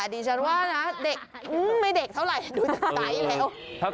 ดิฉันว่านะเด็กไม่เด็กเท่าไหร่ดูจากใจแล้ว